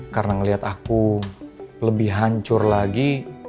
karena ngeliat aku lebih hancur lagi